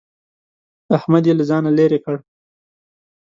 احمد يې له ځانه لرې کړ.